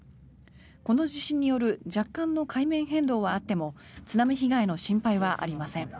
この地震による若干の海面変動はあっても津波被害の心配はありません。